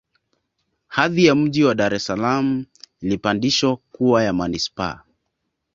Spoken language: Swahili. Hadhi ya Mji wa Dar es Salaam ilipandishwa kuwa ya Manispaa